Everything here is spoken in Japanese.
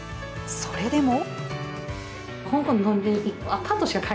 それでも。